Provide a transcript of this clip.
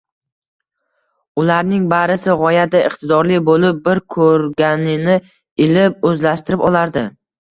Ularning barisi g‘oyatda iqtidorli bo‘lib, bir ko‘rganini ilib-o‘zlashtirib olardi.